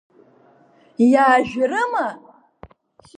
Иаажәрыма?